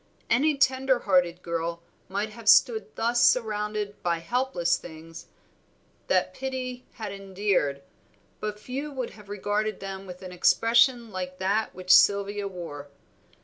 Any tender hearted girl might have stood thus surrounded by helpless things that pity had endeared, but few would have regarded them with an expression like that which Sylvia wore.